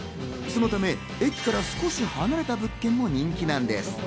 そのため駅から少し離れた物件も人気なんです。